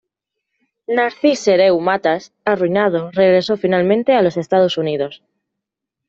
Narcís Hereu Matas, arruinado, regresó finalmente a los Estados Unidos.